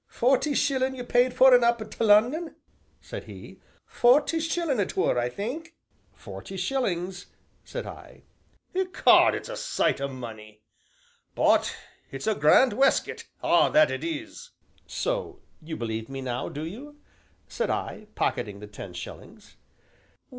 "Forty shillin' you paid for 'un, up to Lunnon," said he, "forty shillin' it were, I think?" "Forty shillings!" said I. "Ecod, it's a sight o' money! But it's a grand weskit ah, that it is!" "So you believe me now, do you?" said I, pocketing the ten shillings.